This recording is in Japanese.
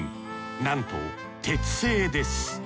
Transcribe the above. なんと鉄製です。